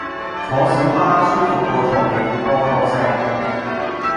坐小巴舒服過坐地鐵多多聲